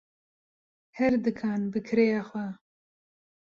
Her dikan bi kirêya xwe.